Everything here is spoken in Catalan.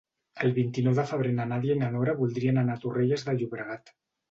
El vint-i-nou de febrer na Nàdia i na Nora voldrien anar a Torrelles de Llobregat.